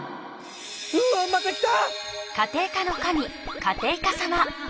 うわまた来た！